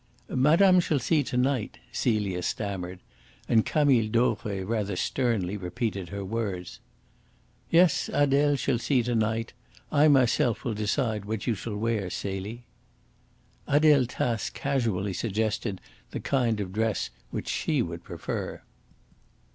"Madame shall see to night," Celia stammered, and Camille Dauvray rather sternly repeated her words. "Yes, Adele shall see to night. I myself will decide what you shall wear, Celie." Adele Tace casually suggested the kind of dress which she would prefer.